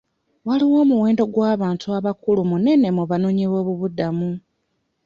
Waliwo omuwendo gw'abantu abakulu munene mu banoonyi b'obubuddamu.